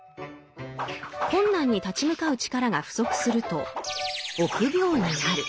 困難に立ち向かう力が不足すると「臆病」になる。